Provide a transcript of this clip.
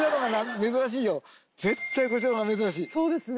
そうですね。